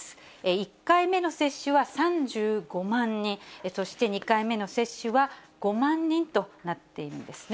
１回目の接種は３５万人、そして２回目の接種は５万人となっているんですね。